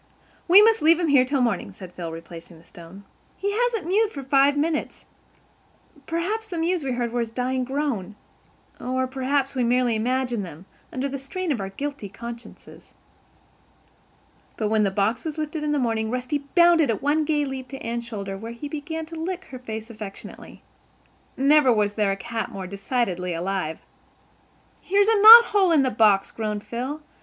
"We must leave him here till morning," said Phil, replacing the stone. "He hasn't mewed for five minutes. Perhaps the mews we heard were his dying groan. Or perhaps we merely imagined them, under the strain of our guilty consciences." But, when the box was lifted in the morning, Rusty bounded at one gay leap to Anne's shoulder where he began to lick her face affectionately. Never was there a cat more decidedly alive. "Here's a knot hole in the box," groaned Phil.